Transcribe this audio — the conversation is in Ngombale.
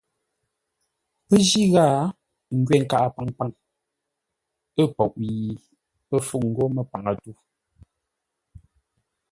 Pə́ jí ghâa n ngwê nkaʼa paŋpaŋ ə́ poʼ yi pə́ fûŋ ńgó mə́páŋə-tû.